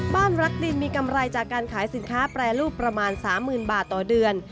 รักดินมีกำไรจากการขายสินค้าแปรรูปประมาณ๓๐๐๐บาทต่อเดือน